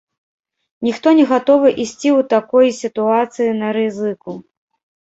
Ніхто не гатовы ісці ў такой сітуацыі на рызыку.